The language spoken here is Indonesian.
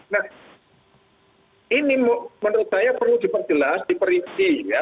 nah ini menurut saya perlu diperjelas diperisi ya